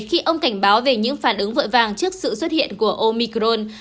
khi ông cảnh báo về những phản ứng vội vàng trước sự xuất hiện của omicron